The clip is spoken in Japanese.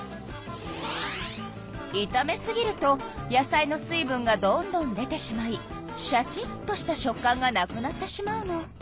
いため過ぎると野菜の水分がどんどん出てしまいシャキッとした食感がなくなってしまうの。